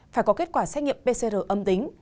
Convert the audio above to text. phải có kết quả xét nghiệm pcr âm tính